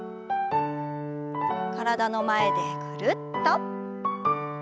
体の前でぐるっと。